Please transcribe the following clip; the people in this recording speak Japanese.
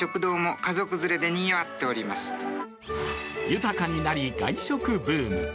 豊かになり外食ブーム。